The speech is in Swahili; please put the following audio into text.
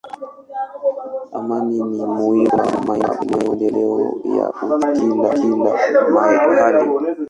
Amani ni muhimu kwa maendeleo ya uchumi kila mahali.